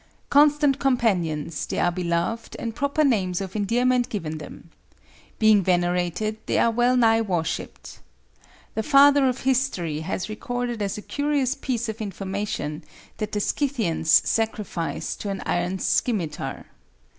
Constant companions, they are beloved, and proper names of endearment given them. Being venerated, they are well nigh worshiped. The Father of History has recorded as a curious piece of information that the Scythians sacrificed to an iron scimitar.